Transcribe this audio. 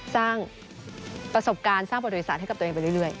สร้างประสบการณ์สร้างประวัติศาสตร์ให้กับตัวเองไปเรื่อย